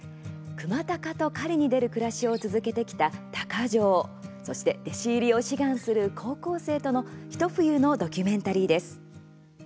クマタカと狩りに出る暮らしを続けてきた、鷹匠そして弟子入りを志願する高校生との一冬のドキュメンタリーです。